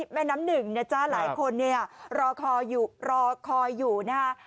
แม่น้ำหนึ่งนะจ๊ะหลายคนเนี่ยรอคอยอยู่รอคอยอยู่นะฮะ